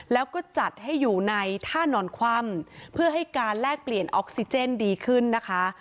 แล้วก็จัดให้อยู่ในท่านอนคว่ำเพื่อให้การแลกเปลี่ยนออกซิเจนดีขึ้นนะคะ